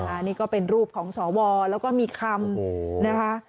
อันนี้ก็เป็นรูปของสวแล้วก็มีคำนะคะ